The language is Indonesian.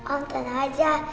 om tenang aja